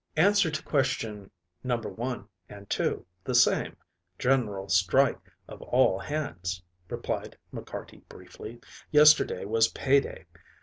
"Answer to question number one and two the same general strike of all hands," replied McCarty briefly. "Yesterday was pay day.